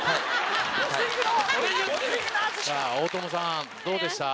大友さんどうでした？